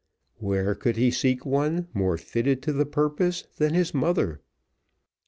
Where could he seek one more fitted to the purpose than his mother?